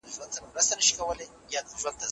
موږ تېر ماښام د خپلو ستونزو په اړه بحث وکړ.